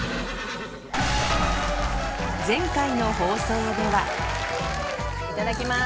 前回の放送ではいただきます。